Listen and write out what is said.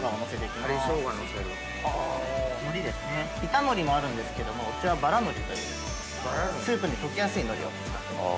板海苔もあるんですけどもうちはばら海苔というスープに溶けやすい海苔を使ってます。